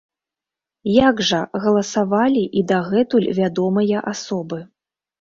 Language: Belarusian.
Як жа галасавалі і дагэтуль вядомыя асобы?